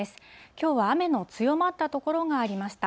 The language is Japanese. きょうは雨の強まった所がありました。